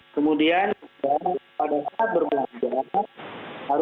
kemudian pada saat berbelanja